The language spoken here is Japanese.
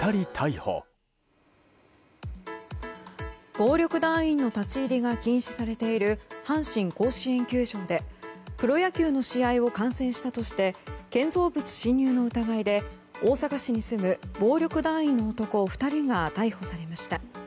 暴力団員の立ち入りが禁止されている阪神甲子園球場でプロ野球の試合を観戦したとして建造物侵入の疑いで大阪市に住む暴力団員の男２人が逮捕されました。